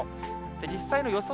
実際の予想